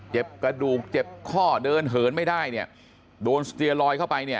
กระดูกเจ็บข้อเดินเหินไม่ได้เนี่ยโดนสเตียลอยเข้าไปเนี่ย